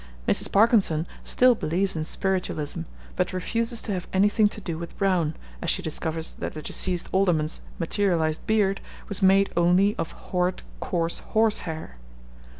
Mrs. Parkinson still believes in spiritualism, but refuses to have anything to do with Brown as she discovers that the deceased Alderman's 'materialised beard' was made only of 'horrid, coarse horsehair.'